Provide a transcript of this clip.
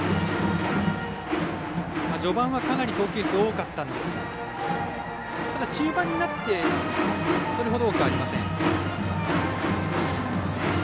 序盤はかなり投球数多かったんですがただ中盤になってそれほど多くありません。